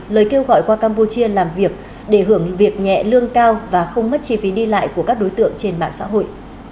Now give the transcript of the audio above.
lời kêu gọi qua campuchia làm việc để hưởng việc nhẹ lương cao và không mất chi phí đi lại của các đối tượng trên mạng xã hội